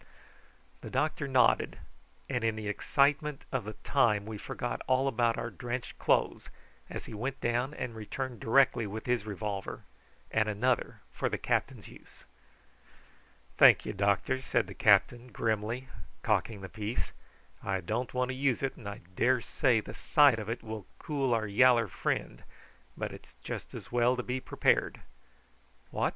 The doctor nodded, and in the excitement of the time we forgot all about our drenched clothes as he went down and returned directly with his revolver, and another for the captain's use. "Thank'ye, doctor," said the captain grimly, cocking the piece. "I don't want to use it, and I daresay the sight of it will cool our yaller friend; but it's just as well to be prepared. What!